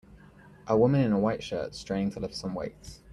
A woman in a white shirt straining to lift some weights.